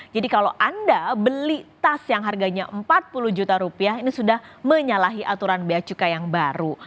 jadi kalau anda beli tas yang harganya empat puluh juta rupiah ini sudah menyalahi aturan beacuka yang baru